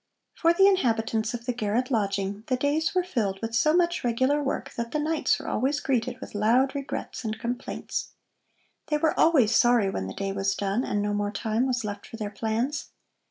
For the inhabitants of the garret lodging the days were filled with so much regular work that the nights were always greeted with loud regrets and complaints. They were always sorry when the day was done and no more time was left for their plans.